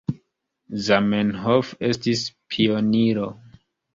Zamenhof estis pioniro.